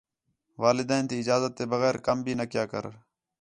والدین تی اجازت تے بغیر کَم بھی نہ کیا کر